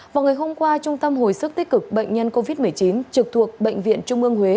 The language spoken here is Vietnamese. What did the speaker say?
vào ngày hôm qua trung tâm hồi sức tích cực bệnh nhân covid một mươi chín trực thuộc bệnh viện trung ương huế